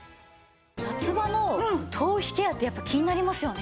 夏場の頭皮ケアってやっぱ気になりますよね。